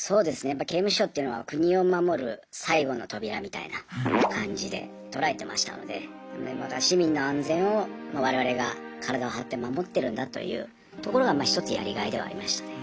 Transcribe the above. やっぱ刑務所っていうのは国を守る最後の扉みたいな感じで捉えてましたので市民の安全を我々が体を張って守ってるんだというところが一つやりがいではありましたね。